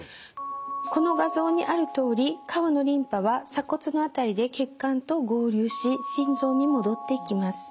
この画像にあるとおり顔のリンパは鎖骨の辺りで血管と合流し心臓に戻っていきます。